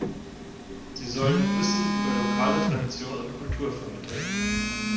Sie sollen Wissen über lokale Tradition und Kultur vermitteln.